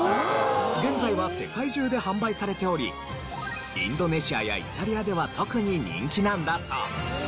現在は世界中で販売されておりインドネシアやイタリアでは特に人気なんだそう。